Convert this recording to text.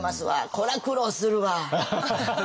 これは苦労するわ。